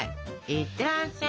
いってらっしゃい。